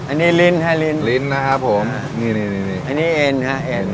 อันนี้ลิ้นครับลิ้นลิ้นนะครับผมอันนี้เอนครับเอน